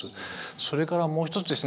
それからもう一つですね